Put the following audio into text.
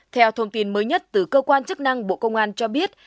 theo thông tin mới nhất từ cơ quan chức năng bộ công an cho biết